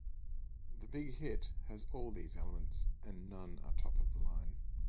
'The Big Hit' has all these elements, and none are top of the line.